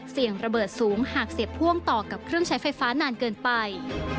เสี่ยงระเบิดสูงหากเสียบพ่วงต่อกับเครื่องใช้ไฟฟ้านานเกินไป